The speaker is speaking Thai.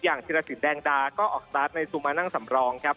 อย่างธิรษฎรแดงดาก็ออกตาร์ดในซูมานั่งสำรองครับ